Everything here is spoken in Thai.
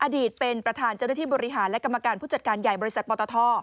อดีตเป็นประธานเจ้าหน้าที่บริหารและกรรมการผู้จัดการใหญ่บริษัทปตท